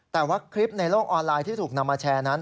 แต่ว่าคลิปในโลกออนไลน์ที่ถูกนำมาแชร์นั้น